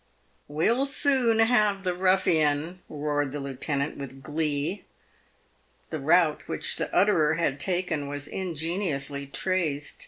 " "We'll soon have the ruffian," roared the lieutenant, with glee. The route which the utterer had taken was ingeniously traced.